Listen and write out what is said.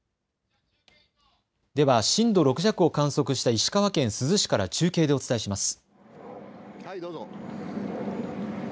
では震度６弱を観測した石川県珠洲市から中継でお伝えします。